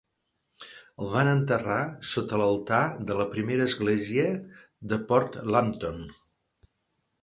El van enterrar sota l'altar de la primera església de Port Lambton.